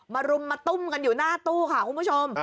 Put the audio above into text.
รุมมาตุ้มกันอยู่หน้าตู้ค่ะคุณผู้ชม